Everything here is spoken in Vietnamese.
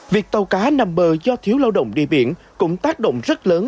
việc tàu cá nằm bờ do thiếu lao động đi biển cũng tác động rất lớn